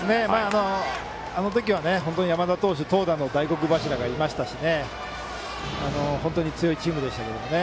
あの時は山田投手投打の大黒柱がいましたし本当に強いチームでしたけどね。